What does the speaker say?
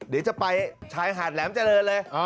เดี๋ยวจะไปชายหาดแหลมเจริญเลย